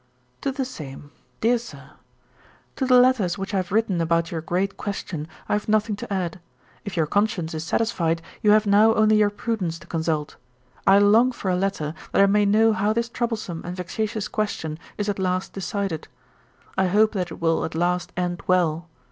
To THE SAME. 'DEAR SIR, 'To the letters which I have written about your great question I have nothing to add. If your conscience is satisfied, you have now only your prudence to consult. I long for a letter, that I may know how this troublesome and vexatious question is at last decided. I hope that it will at last end well.